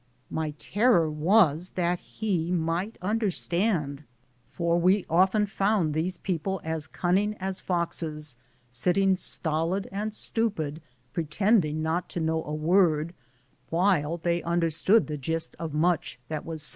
My terror was that he might understand, for we often found these people as cunning as foxes, sitting stolid and stupid, pretending not to know a word, while they understood the gist of much that was said.